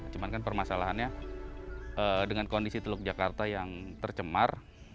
cuma kan permasalahannya dengan kondisi teluk jakarta yang tercemar